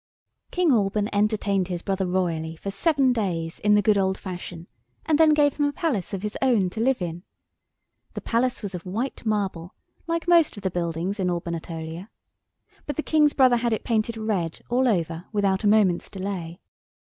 King Alban entertained his brother royally for seven days in the good old fashion, and then gave him a palace of his own to live in. The Palace was of white marble, like most of the buildings in Albanatolia, but the King's brother had it painted red all over without a moment's delay.